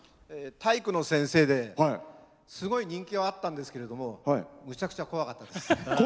体育の先生ですごい人気はあったんですけどめちゃくちゃ怖かったです。